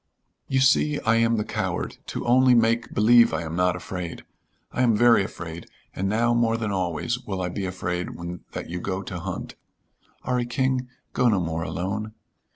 "You see I am the coward, to only make believe I am not afraid. I am very afraid, and now more than always will I be afraid when that you go to hunt. 'Arry King, go no more alone."